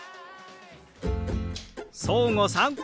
そうごさん